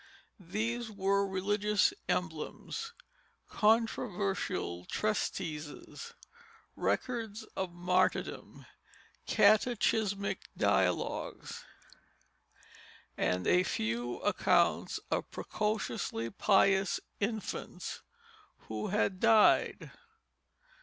These were religious emblems, controversial treatises, records of martyrdoms, catechismic dialogues, and a few accounts of precociously pious infants who had died.